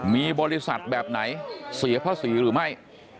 มีบริษัทแบบไหนเสียภาษีหรือไม่